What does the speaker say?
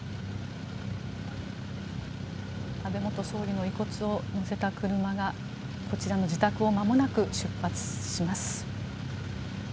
安倍元総理の遺骨を乗せた車がこちらの自宅をまもなく出発します。